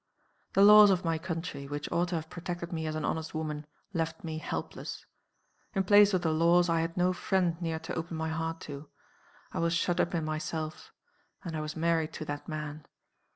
"The laws of my country, which ought to have protected me as an honest woman, left me helpless. In place of the laws I had no friend near to open my heart to. I was shut up in myself. And I was married to that man.